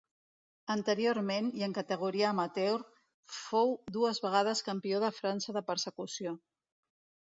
Anteriorment, i en categoria amateur, fou dues vegades campió de França de persecució.